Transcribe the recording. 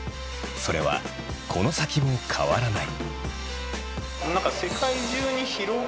それはこの先も変わらない。